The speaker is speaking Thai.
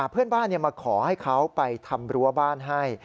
เพื่อนบ้านมาขอให้เขาไปทำรั้วบ้านให้